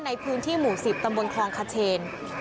ในพื้นที่หมู่๑๐ตำบลคลองคเชน